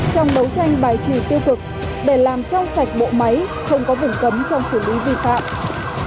trong đấu tranh bài trừ tiêu cực để làm trong sạch bộ máy không có vùng cấm trong xử lý vi phạm